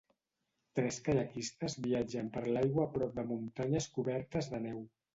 tres caiaquistes viatgen per l'aigua a prop de muntanyes cobertes de neu.